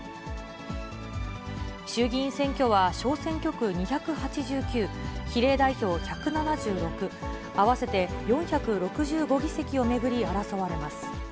衆議院選挙は、小選挙区２８９、比例代表１７６、合わせて４６５議席を巡り争われます。